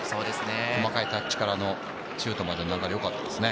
細かいタッチからのシュートまでの流れよかったですね。